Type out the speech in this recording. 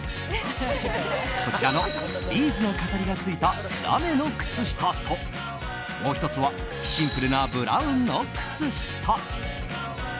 こちらのビーズの飾りがついたラメの靴下と、もう１つはシンプルなブラウンの靴下。